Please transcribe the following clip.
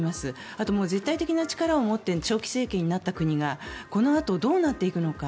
あと、絶対的な力を持って長期政権になった国がこのあと、どうなっていくのか。